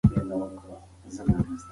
مورنۍ ژبه د پردۍ ژبې څخه اسانه ده.